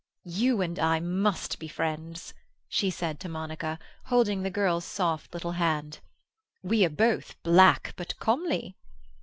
"You and I must be friends," she said to Monica, holding the girl's soft little hand. "We are both black but comely."